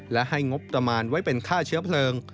และให้งบประมาณไว้เป็นค่าเชื้อเพลิง